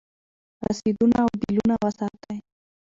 رسیدونه او بیلونه وساتئ.